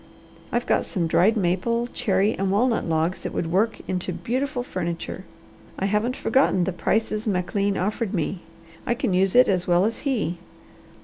I've got some dried maple, cherry, and walnut logs that would work into beautiful furniture. I haven't forgotten the prices McLean offered me. I can use it as well as he.